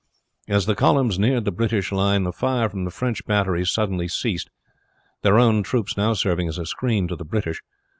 As the columns neared the British line the fire from the French batteries suddenly ceased, their own troops now serving as a screen to the British.